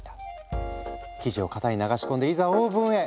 生地を型に流し込んでいざオーブンへ。